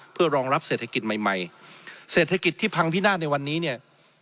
เพื่อรองรับเศรษฐกิจใหม่ใหม่เศรษฐกิจที่พังพินาศในวันนี้เนี่ย